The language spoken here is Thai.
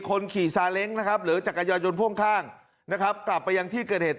คนขี่ซาเล้งนะครับหรือจักรยายนพ่วงข้างนะครับกลับไปยังที่เกิดเหตุ